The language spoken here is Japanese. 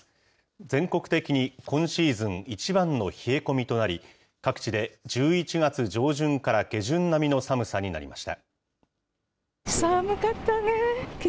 全国的に今シーズン一番の冷え込みとなり、各地で１１月上旬から下旬並みの寒さになりました。